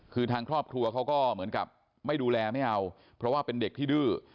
คือทางครอบครัวเขาก็เหมือนกับไม่ดูแลไม่เอาเพราะว่าเป็นเด็กที่ดื้อ